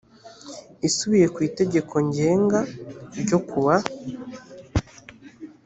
isubiye ku itegeko ngenga ryo ku wa